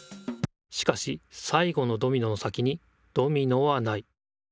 しかし最後のドミノの先にドミノはない。